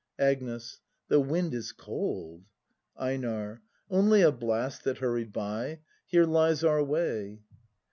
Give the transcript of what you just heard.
Agnes. The wind is cold! EiNAR. Only a blast That hurried by. Here lies our way.